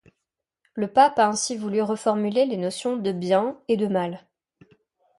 Le pape a ainsi voulu reformuler les notions de Bien et de Mal.